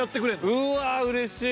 うわうれしい。